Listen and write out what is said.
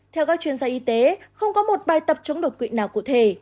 theo các chuyên gia y tế không có một bài tập chống đột quỵ nào cụ thể